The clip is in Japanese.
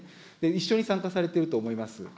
一緒に参加されていると思います。